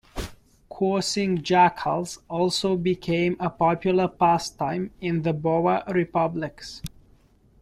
Coursing jackals also became a popular pastime in the Boer Republics.